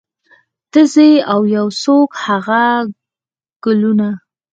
ته ځې او یو څوک هغه ګلونه